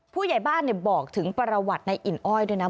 ผู้ใหญ่บ้านบอกถึงประวัติในอิ่นอ้อยด้วยนะ